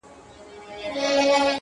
تا ښخ کړئ د سړو په خوا کي سپی دی,